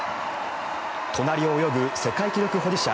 隣を泳ぐ世界記録保持者